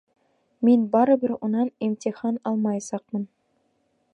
Мин барыбер унан имтихан алмаясаҡмын!